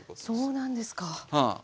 そうなんですか。